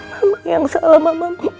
mama yang salah